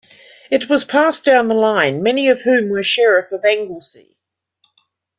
It was passed down the line, many of whom were Sheriff of Anglesey.